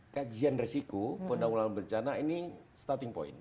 kajian resiko penanggulangan bencana ini starting point